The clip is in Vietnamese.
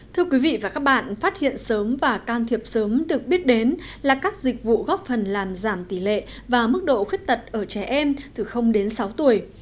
thưa quý vị và các bạn phát hiện sớm và can thiệp sớm được biết đến là các dịch vụ góp phần làm giảm tỷ lệ và mức độ khuyết tật ở trẻ em từ đến sáu tuổi